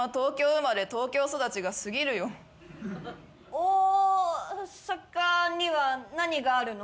おおさかには何があるの？